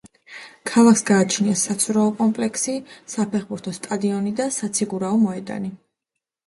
ქალაქს გააჩნია საცურაო კომპლექსი, საფეხბურთო სტადიონი და საციგურაო მოედანი.